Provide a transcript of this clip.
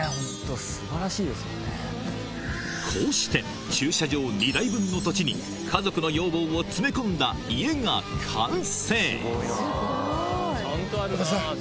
こうして駐車場２台分の土地に家族の要望を詰め込んだ家が完成小田さん！